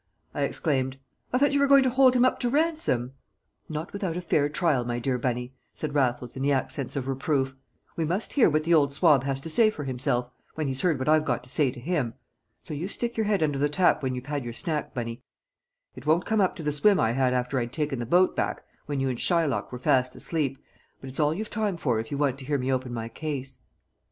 I exclaimed. "I thought you were going to hold him up to ransom?" "Not without a fair trial, my dear Bunny," said Raffles in the accents of reproof. "We must hear what the old swab has to say for himself, when he's heard what I've got to say to him. So you stick your head under the tap when you've had your snack, Bunny; it won't come up to the swim I had after I'd taken the boat back, when you and Shylock were fast asleep, but it's all you've time for if you want to hear me open my case."